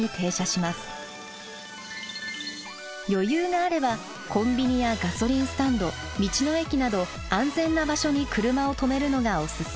余裕があればコンビニやガソリンスタンド道の駅など安全な場所に車を止めるのがおすすめ。